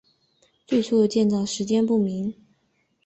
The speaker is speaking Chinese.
最初的建造时间不明。